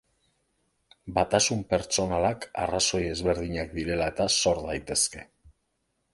Batasun pertsonalak arrazoi ezberdinak direla eta sor daitezke.